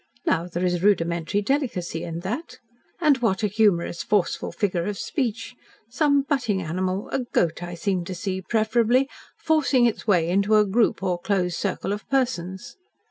Now, there is rudimentary delicacy in that. And what a humorous, forceful figure of speech! Some butting animal a goat, I seem to see, preferably forcing its way into a group or closed circle of persons."